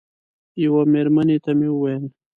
یوه مېرمنې ته مې وویل.